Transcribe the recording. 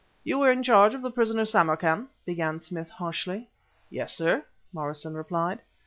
"You were in charge of the prisoner Samarkan?" began Smith harshly. "Yes, sir," Morrison replied.